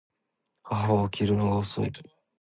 母は起きるのが遅い